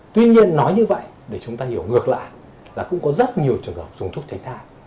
tuy nhiên nói như vậy để chúng ta hiểu ngược lại là cũng có rất nhiều trường hợp dùng thuốc tránh thai